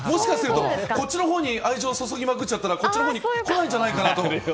もしかすると、こっちのほうに愛情を注ぎまくっちゃったらこっちに来ないんじゃないかと。